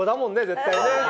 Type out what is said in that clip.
絶対ね。